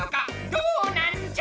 どうなんじゃ！